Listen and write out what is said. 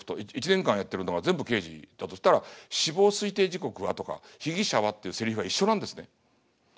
１年間やってるのは全部刑事だとしたら「死亡推定時刻は？」とか「被疑者は？」っていうセリフが一緒なんですね。